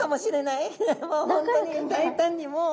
いやもう本当に大胆にもう。